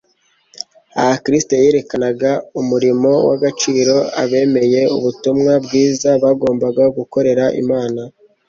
Aha Kristo yerekanaga umurimo w’agaciro abemeye ubutumwa bwiza bagomba gukorera Imana